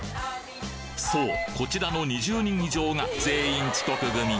そうこちらの２０人以上が全員遅刻組。